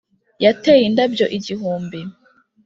yateye indabyo igihumbi